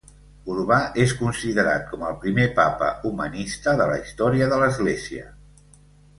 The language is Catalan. Urbà és considerat com el primer Papa humanista de la història de l'Església.